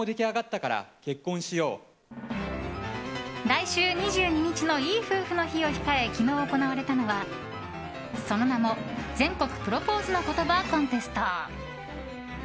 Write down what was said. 来週２２日のいい夫婦の日を控え昨日行われたのは、その名も全国プロポーズの言葉コンテスト。